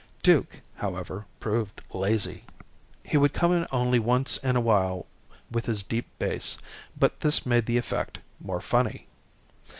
Duke, however, proved lazy. He would come in only once in a while with his deep bass, but this made the effect more funny.